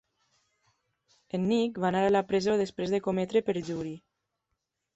En Nick va anar a la presó després de cometre perjuri.